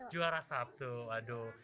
juara satu aduh